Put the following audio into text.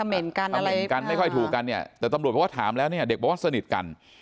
เหม็นกันอะไรกันไม่ค่อยถูกกันเนี่ยแต่ตำรวจบอกว่าถามแล้วเนี่ยเด็กบอกว่าสนิทกัน